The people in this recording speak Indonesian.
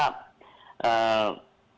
itu monitoring tersebut